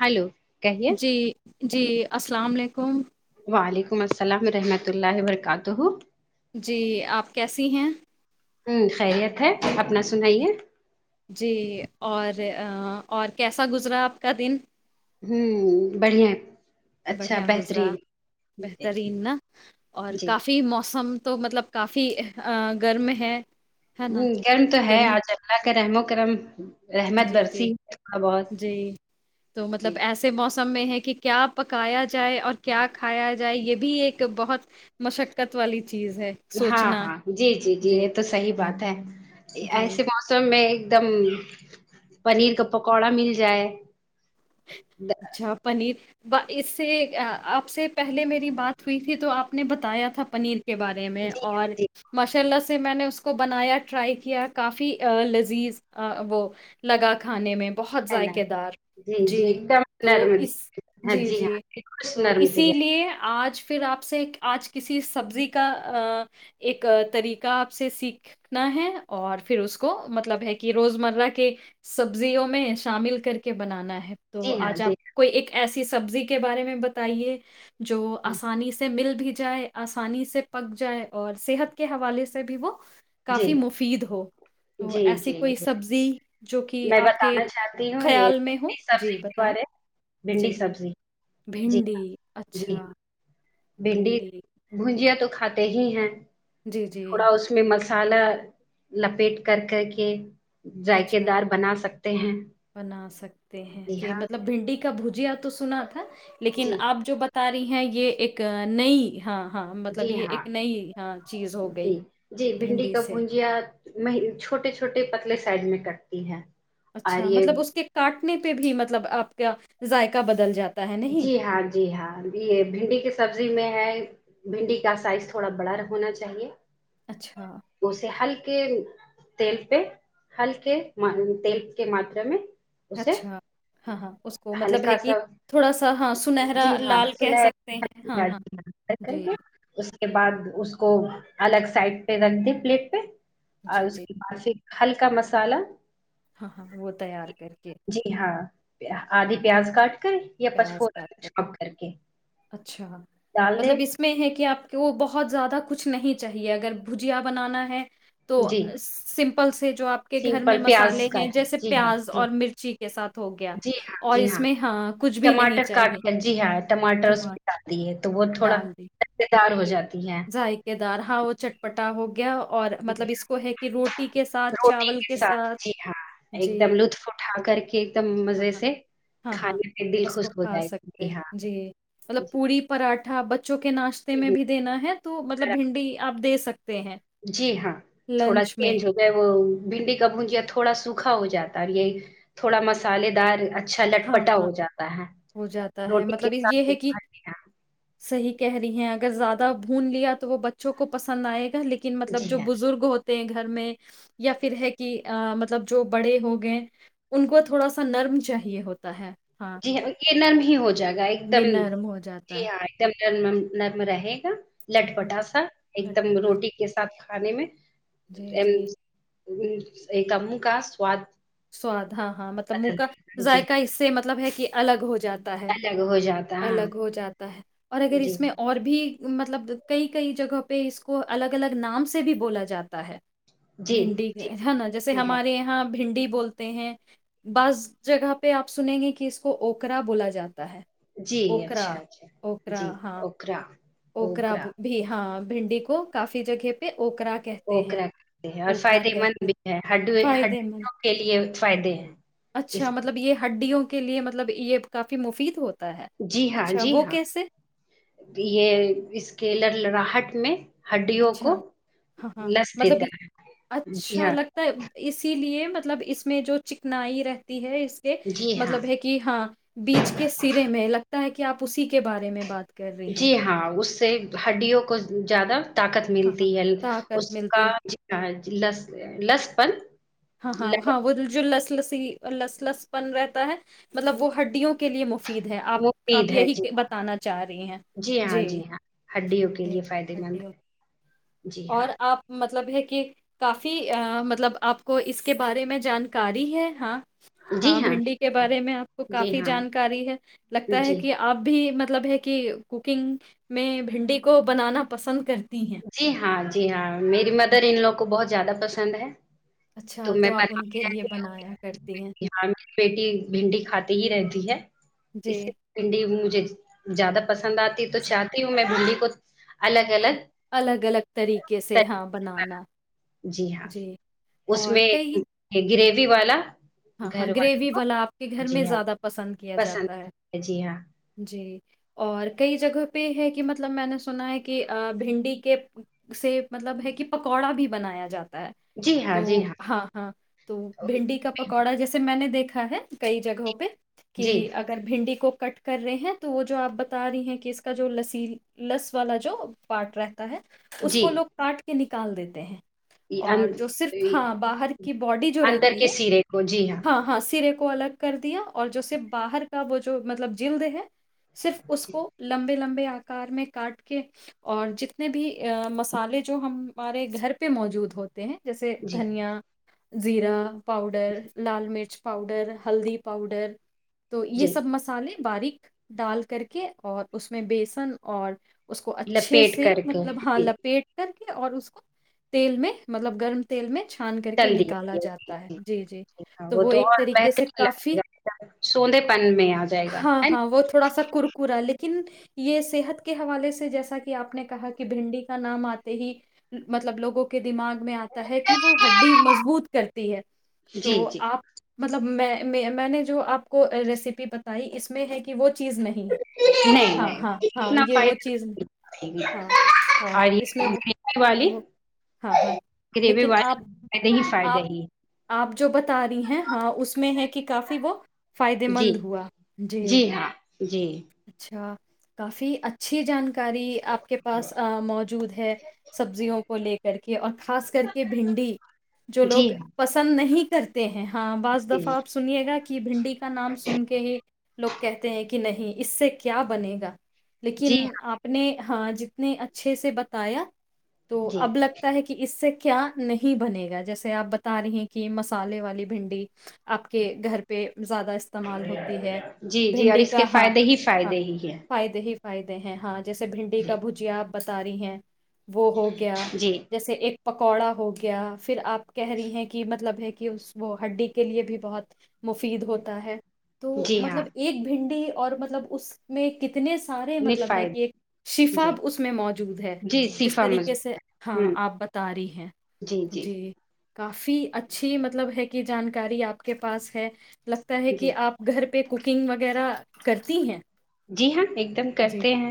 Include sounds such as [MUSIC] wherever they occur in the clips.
Hello کہیے جی [INAUDIBLE] وعلیکم السلام رحمۃ اللہ و ببرکاتہ جی آپ کیسے ی ہیں ہوں خیریت ہے اپنا سنائیے جی اور اور کیسا گزرا آپ کا دن ہوں بڑیا بڑھیا گزرا جی بہترین نا اور جی ہ کافی موسم تو مطلب کافی گرم ہے ہے نا ہ گرم تو ہے گرمی آج اللہ کے رموں ا کررم جی جی جی تو مطلب جی ایسے موسم سم میں ہے کہ کیا پکایا جائے اور کیا کھایا جائے یہ بھی ایک بہت مشقت والی چیز ہے ہاں سوچنا ہاں جی جی جی یہ تو صحیح جی بات ہے جی ایسے موسم میں ایک دم پنیر کا پکوڑا مل جائے اچھا پنیر ب اس سے آپ سے پہلے میری بات ہوئی تھی تو آپ نے بتایا تھا پنیر کے بارے میں جی اور جی ماشاء اللہ سے میں نے اس کو اس کو بنایا ٹرائی کیا کافی لذیذ وہ لگا کھانے میں بہت ہے نا ذائقے دار جی ایک دم تو نرم اس ہاں جی جی ہاں خوش تو نرم کے ج اسی لیے آج پھر آپ سے آج کسی سبزی کا ایک طریقہ آپ سے سیکھنا ہے اور پھر اس کو مطلب ہے کہ روز مرہ کے سبزیوں میں شامل کر کے بنانا ہے ہے تو جی ہاں آج جی آپ کوئی ایک ایسی سبزی کے بارے میں بتائیے جو ہاں، آسانی سے مل بھی جائے آسانی سے پک جائے اور صحت کے حوالے سے بھی وہ جی کافی مفید ہو تو جی ایسی جی کوئی سبزی جو کہ میں آپ کے بتانا چاہتی ہوں یہ خیال میں ہوں بھنڈی سبزی کیے بھنڈی سبزی بھنڈی اچھا بھڈی بھنڈی بھجیا تو کھاتے ہی ہیں جی، جی، تھوڑا اس میں مس مسالا لپیٹ کر کر کے ذائقے اچھا دار بنا سکتے ہیں بنا سکتے ہیں جی مطلب بھنڈی کا بھجیا تو سنا تھا لیکن جی آپ جو بتا تاری ہیں یہ ایک نئی ہاں ہاں مطلب جی یہ ہاں ایک نئی ہاں چیز ہو گئی جی جی بھنڈی کا سے بھجیا چھوٹے چھوٹے پتلے سائڈ میں کرتی ہیں اچھا مطلب اس کے کاٹ نے پہ بھی مطلب آپ کا ذائقہ بدل جاتا ہے نہیں؟ جی ہاں جی ہاں یہ بھنڈی کی سبزی میں ہے بھنڈی کا سائز تھوڑا بڑا ہونا چاہیے اچھا، اسے ہلکا کے تیل پہ ہلکے تیل کے ماترا میں اسے اچھا ہاں ہاں اس کو مطلب ہے ہلکا کہ سا تھوڑا-سا ہاں سنہرا جی ہاں لال س کہہ سکتے ہیں ہاں، کر ہاں، جی، کے اس کے بعد اس کو الگ سائڈ پہ رکھ د پلیٹ پہ اور جی، اس جی، کی بس ہلکا مسالہ ہاں ہاں وہ تیار کر کے جی ہاں آدھی پیاز کاٹ کر یا پیاز پچفوڑا کاٹ چھاپ کر کے اچھا ڈال دے مطلب اس میں ہے کہ آپ کی وہ بہت زیادہ کچھ نہیں چاہیے اگر بھجیا بنانا ہے تو جی سمپل سے جو آپ کے گھر میں سمپل پیاز مسالے ہیں کاٹ جیسے جی ہاں پیاز جی اور مرچی کے ساتھ ہو گیا جی ہاں اور جی اس میں ہاں کچھ بھی نہیں چاہیے ٹماٹر ج ہے تو وہ تھوڑا ڈال دی مز دار ہو جاتی ہے ذائقے دار ہا ہو چٹپٹا ہو گ اور جی مطلب ہاں، اس کو ہے کہ روٹی کے ساتھ روٹی چاول کے ساتھ جی ہاں جی ایک دم لطف اٹھا کر کے ایک دم ہ مزے ہ سے ہاں ہاں کھانے پہ دل اس کو خوش ہو کھا جائے گا سکتے ہاں ہیں جی مطلب جی پی پراٹھا ب بچوں کے ناشتے میں جی بھی دینا ہے مطلب اگر آپ- بھنی دے سکتے ہیں جی ہاں تھوڑا لنچ میں چینج ہو گیا وہ بھنڈی کا بھجیا تھوڑا سوکھا ہو جاتا ہے یہ تھوڑا مسالے دار اچھا ہاں لٹپٹا ہاں ہو جاتا ہے ہو جاتا ہے روٹی کے مطلب یہ ہے کہ ساتھ صحیح کہہ رہی ہیں اگر زیادہ بھون لیا تو وہ بچوں کو پسند آئے لیکن مطلب جی جو ہاں بزرگ ہوتے گھر میں یا پھر ہے کہ مطلب جو بڑے ہو گئے ان کو تھوڑا سا نرم چاہ یہ ہوتا ہے جی ہاں یہ نرم ہی ہو جائے گا ایک دم یہ نرم ہو جی جاتا ہے ہاں ایک دم نرم رہے گا لٹ ہوں، پٹاسا ایک دم لٹپٹا روٹی کے ساتھ کھ پانی میں جی جی ایک ا کا سواد سواد ہاں ہاں مطلب منہ بدل کا دے گا جی ذائقہ اس سے مطلب ہے کہ الگ ہو جاتا تا ہے ہاں الگ ہو جاتا ہے ہاں الگ ہو جاتا ہے اور اگر جی اس میں ہاں اور بھی مطلب کئی کئی جگہ پہ اس کو الگ الگ نام سے بھی بولا جاتا ہے جی بھنڈی جی ہے نا جیسے جی ہاں ہمارے یہاں بھنڈی بولتے ہیں بعض جگہ پہ آپ سنیں گے کہ اس کو اوکرا بولا جاتا ہے جی اوکرا اچھا اچھا جی اکرا اکر بھی ہاں بھنڈی کو کافی جگہ پہ اوکرا وہ کہتے کر ہیں کرتے ہیں اور اوکرا فائدے مند کہتے ہیں. بھی ہے ہڈ ہڈ فائدے مند کے لیے فائدے اس اچھا مطلب میں یہ ہڈیوں کے کے لیے مطلب یہ کافی مفید ہوتا ہے جی ہاں اچھا جی وہ ہاں کیسے یہ اس کے لر لراہٹ میں ہڈیوں کو اچھا ہاں ہاں لس مطلب دیتا ہے جی اچھا ہاں لگتا ہے اسی لیے مطلب اس میں جو چکنائی رہتی ہے اس کے جی ہاں مطلب ہے کہ ہاں بیچ کے سرے میں لگ تا ہے کہ آپ اسی کے بارے میں بات کر رہی جی ہیں ہاں اس سے ہڈیوں کو زیادہ طاقت ہاں ملتی ہاں ہے اس طاقت کا ملتی ہے ل لس پن ہاں ہاں ہاں وہ ج لس سی لس لس پن رہتا ہے مطلب وہ ہڈیوں کے لیے مقت مفید ہے آپ آپ مفید ہے یہی جی ہاں بتانا چاہ رہی ہیں ہاں جی ہاں ہڈیوں کے لیے فائدے مند ج ہے جی اور ہاں آپ مطلب ہے کہ کافی مطلب آپ کو اس کے بارے میں جانکاری ہے ہاں ہاں بھنڈی کے بارے میں آپ کو جی کافی ہاں جانکاری ہے لگتا ہے جی کہ آپ بھی مب مطلب ہے کہ کوکنگ میں بھنڈی کو بنانا پسند کر ہیں جی [UNINTELLIGIBLE] ہاں جی ہاں میری مدر ان لوگ کو بہت زیادہ پسند ہے اچھا تو میں آپ ان کے بتایا لیے بنایا کرتی ہیں ہاں میری بیٹی بھنڈی کھاتے ہی رہتی ہے جی اس سے بھنڈی ج زیاد پسند آتی تواہتی ہوں میں بوڈی کو اچ [UNINTELLIGIBLE] الگ الگ الگ الگ طریقے سے طریق ہاں بنانا جی اس اور میں کئی گریوی والا ہاں ہاں گھر والوں گریوی کو والا آپ کے گھر جی میں ہاں زیادہ پسند کیا پسند جاتا ہے جی ہاں جی اور کئی جگہ پہ ہے کہ مطلب میں نے سنا ہے کہ بھنڈی کے سے مطلب ہے کہ پکوڑا بھی بنایا جاتا جی ہاں تو جی ہاں ہاں تو بھنڈی کا پکوڑا جسے میں نے دیکا ہے کئی جگہوں پہ کہ جی اگر بھنڈی کو کٹ کر رہے ہیں تو وہ جو آپ بتا رہی ہیں کہ اس کا جو لسی لس والا جو پارٹ رہتا ہے ہے اس جی کو لوگ کاٹ کر کے نکال دیتے ہیں اور جو صرف ہاں باہر کی باڈی جو رہتی ہے ہو جی ہاں ے کو الگ کر دیا اور جس باہر کا وہ جو مطلب جلد ہے صرف اس کو لمبے لمبے آکار میں کاٹ کے اور جتنے بھی مسالے جو ہمارے گھر پہ موجود ہوتے ہیں جیسے جی دھنیا زیرا پا پر لال مرچ پاؤڈر ہلدی پاؤڈر تو یہ جی سب مسالے باریک ڈال کر کے اور اس میں بیسن اور اس کو اچھے لپیٹ سے کر کے مطلب ہاں جی لپیٹ کر اور اس کو تیل میں مطلب گرم تیل میں چ چھان کر کے تل دیا نکالا جی جاتا ہے جی جی جی وہ تو ایک اور طریقے سے بہترین کافی لگے گا سوندے پن میں آ جائے گا ہے نا ن یہ صحت کے حوالے سے جیسا کہ آپ نے کہا کہ بھنڈی کا نام آتے ہی مطلب لوگوں کے دماغ میں آتا ہے کہ وہ ہڈی نا مضبوط کرتی ہے جی تو جی آپ مطلب میں میں نے جو آپ کو ریسیپی بتائی اس میں ہے کہ وہ چیز نہیں ہے نہیں ہاں، نہیں ہاں، ہاں، اتنا یہ وہ چیز نہیں- فائدہ ہاں، ہاں، اور اس یہ میں وہ گریوے والے وہ ہاں، ہاں، گریوے لیکن آپ والے فائدے ہی فائدے آپ ہی آپ جو بتا رہی ہیں ہاں اس میں ہے کہ کافی وہ فائدے جی مند ہوا جی ہاں جی اچھا کافی اچھی جانک کاری آپ کے پاس موجود ہے سبزیوں کو لے کر کے اور خاص کر کے بھنڈی جو جی لوگ ہاں پسند نہیں کرتے ہیں ہاں بعض جی دفعہ آپ سنیےا کی بھنڈی کا نام سن کے ہی لوگ کہتے ہیں کہ نہیں اس سے کیا بنے گا جی لیکن ہاں اپنے ہاں جتنے اچھے سے بتایا تو جی اب لگتا ہے کہ اس سے کیا نہیں بنے گا جیسے آپ بتا ت رہی ہیں کہ مسالے والی بھنڈی آپ کے گھر پہ زیادہ استعمال ہوتی ہے جی جی اور بھنڈی اس کا کے ہاں فائدے ہی ہاں فائدے ہی ہیں فائدے ہی فائدے ہیں ہاں جیسے بھنڈی کا بھوجیا بت رہی ہیں وہ ہو گیا جی جیسے ایک پکوڑا ہو گیا پھر آپ کہہ رہی ہیں کہ مطلب ہے کہ اس وہ ہڈی کے لیے بھی بہت مفید ہوتا ہے تو جی ہاں مطلب ایک بھنڈی اور مطلب اس میں کتنے اتنے سارے نہیں مطلب ہے کہ ایک فائدے شفا جی اس میں موجود ہے جی جس شفا طریقے سے مضبوط ہے ہاں ہوں آپ بتا رہی ہیں جی کافی اچھی مطلب ہے کہ جانکاری آپ کے پاس ہے لگتا ہے جی کہ آپ گھر پہ پہ کوکنگ وغیرہ کرتی ہیں جی ہاں ایک دم جی کرتے ہیں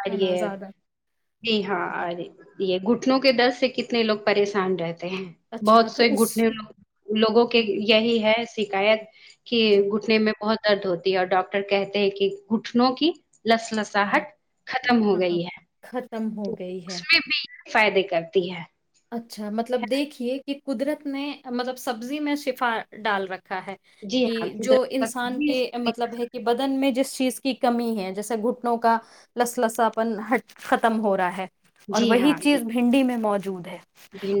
اور ہے نا یہ زیادہ جی ہاں اور یہ گٹ کتنوں کے درد سے کتنے لوگ پریشان رہتے ہیں اچھا بہت تو سے اس گٹ نوگ لوگوں کے ہوں ہوں یہی ہے شکایت کہ جی گھٹنے میں بہت درد ہوتی ہے اور ڈاکٹر کہتے ہیں کہ گٹھنوں کی لس ہاں لساہٹ ہاں ختم ہو ہاں ہاں گئی ہے ختم ہو تو گئی اس ہے میں بھی فائدے کرتی ہے اچھا مطلب دیکھیے کہ قدرت نے مطلب سبزی میں شفا ڈال رکھ ہے جی کہ ہاں قدرت جو کا انسان سبزی ہے، کے سبزی کا- مطلب ہے کہ بدن میں جس چیز کی کمی ہے جیسے گٹ کا لس لساپن ہ ختم ہو رہا ہے اور جی وہی ہاں جی چیز بھنڈی میں موج جود ہے [UNINTELLIGIBLE]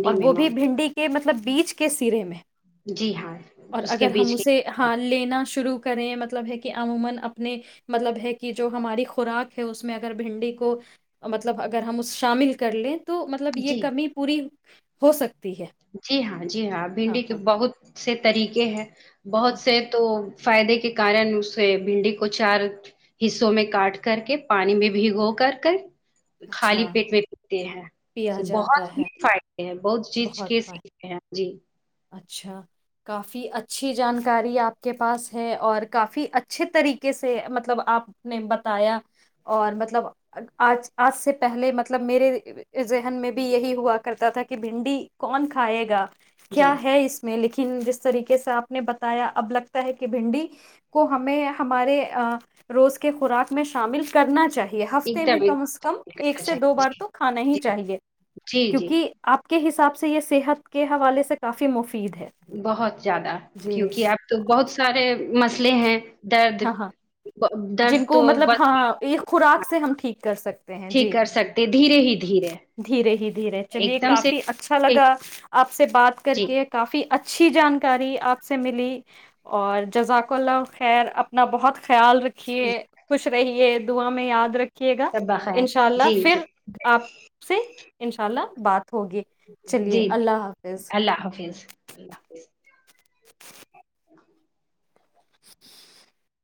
اور میں وہ بھی موجود بھنڈی کے مطلب مطلب بیچ کے سرے میں جی ہاں اور اس کے اگر ہم بیچ کے اسے ہاں لینا شروع کریں مطلب دیکھیں یہ جو ہماری خوراک ہے اس میں اگر بھنڈی کو مطلب اگر ہم اس شامل کر لیں تو مطلب یہ جی کمی پوری ہو سکتا جی ہاں جی ہاں بھنڈی کے بہت سے طریقے ہیں بہت ہاں سے تو فائدے کے کن اسے بھڈی کو چار حصوں میں کاٹ کر کے پانی میں بھگو کر کر خالی اچھا پیٹ میں پیتے ہیں پیا بہت جاتا ہے ہیی فائدے ہیں بہت چیز بہت سے [UNINTELLIGIBLE] جی اچھا کافی اچھی جانکاری آپ کے پاس ہے اور کافی اچھے طریقے سے مطلب آپ نے بتایا اور مطلب آج آج سے پہلے مطلب میرے ذہن میں بھی یہی ہوا کرتا تھا کہ بھنڈی کون کھائے گا جی کیا ہے اس میں لیکن جس طریقے سے آپ نے بتایا اب لگتا ہے کہ بھنڈی کو ہمیں ہمارے روز کے خوراک میں شامل کرنا چاہیے ایک ہفتے میں دم ایک کم از کم دم ایک کرنا سے دو چاہیے بار جی تو کھانا ہی جی چاہیے جی جی کیونکہ آپ کو حساب سے یہ صحت کے حوالے سے کافی مفت بہت زیادہ کیونکہ اب تو بہت سارے مسئلے ہیں درد ہاں ہاں درد جن کو تو مطلب ہاں ایک خوراک سے ہم ٹھیک کر سکتے ہیں جی ٹھیک کر سکتے دھیرے ہی دھیرے دھیرے ہی دھیرے چلیے ایک دم کافی سے اچھا لگا آپ سے بات کر جی کے کافی اچھی جانکاری آپ سے ملی اور جزاک اللہ خیر اپنا بہت خیال رکھیے خوش رہیے دا میں یاد رکھ سبب ہے جی جی آپ سے ان شاء اللہ بات ہوگی چلیے جی جی اللہ حافظ اللہ حافظ ا [INAUDIBLE] [INAUDIBLE]